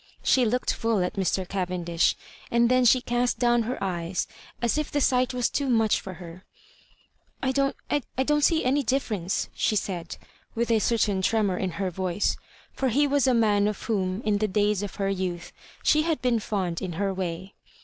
She looked full at Mr. Cavendish, and then she cast down her eyes, as if the sight was too much for her. "I don't see any difference," she said^ with a certain tremor in her voice; for he was a man of whom, in the days of her youth, she had been fond in her way.